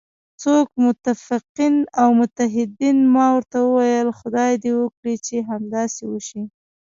څوک؟ متفقین او متحدین، ما ورته وویل: خدای دې وکړي چې همداسې وشي.